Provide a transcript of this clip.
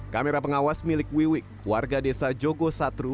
kamera pengawas milik wiwi warga desa jogo satru